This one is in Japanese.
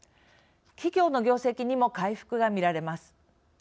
企業の業績にも回復がみられます。